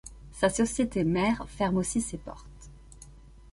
Sa société-mère ferme aussi ses portes.